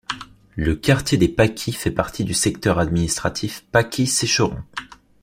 Le quartier des Pâquis fait partie du secteur administratif Pâquis Sécheron.